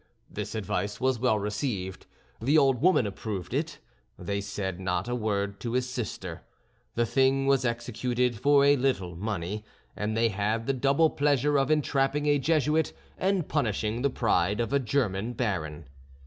This advice was well received, the old woman approved it; they said not a word to his sister; the thing was executed for a little money, and they had the double pleasure of entrapping a Jesuit, and punishing the pride of a German baron.